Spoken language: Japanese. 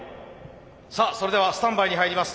さあそれではスタンバイに入ります。